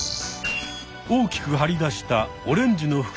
大きく張り出したオレンジの腹